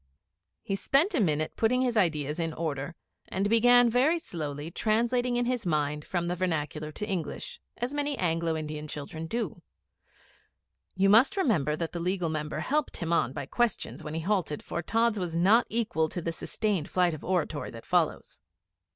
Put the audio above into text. He spent a minute putting his ideas in order, and began very slowly, translating in his mind from the vernacular to English, as many Anglo Indian children do. You must remember that the Legal Member helped him on by questions when he halted, for Tods was not equal to the sustained flight of oratory that follows.